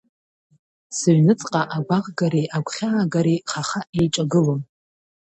Сыҩнуҵҟа агәаӷгареи, агәхьаагареи хаха еиҿагылон.